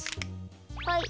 はい。